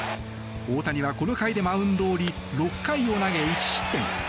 大谷は、この回でマウンドを降り６回を投げ１失点。